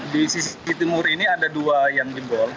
di sisi timur ini ada dua yang jebol